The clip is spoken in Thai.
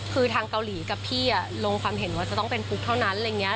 คือทางเกาหลีกับพี่ลงความเห็นว่าจะต้องเป็นปุ๊กเท่านั้นอะไรอย่างนี้